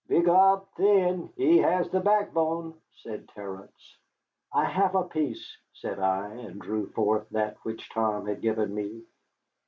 "Begob, thin, he has the backbone," said Terence. "I have a piece," said I, and drew forth that which Tom had given me.